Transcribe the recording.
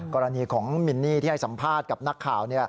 กรณีของมินนี่ที่ให้สัมภาษณ์กับนักข่าว